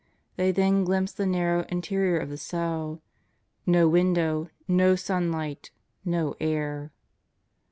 They then glimpsed the narrow interior of the cell. No window. No sunlight. No air.